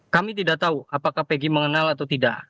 kami tidak tahu apakah peggy mengenal atau tidak